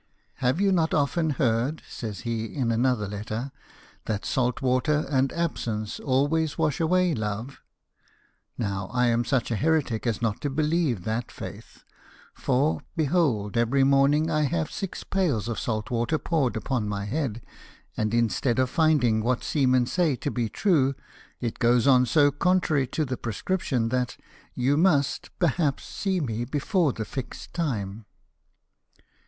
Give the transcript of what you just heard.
" Have you not often heard," says he, in another letter, " that salt water and absence always wash away love ? Now I am such a heretic as not to believe that faith ; for, behold, every morning I have had six pails of salt water poured upon my head, and instead of finding what seamen say to be true, it goes on so contrary to the prescription, that you must, perhaps, see me before the fixed time."